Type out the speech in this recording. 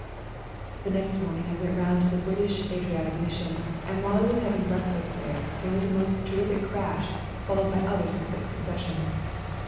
" The next morning I went round to the British Adriatic Mission, and while I was having breakfast there there was a most terrific crash, followed by others in quick succession.